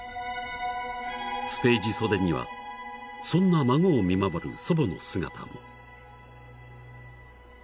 ［ステージ袖にはそんな孫を見守る祖母の姿も］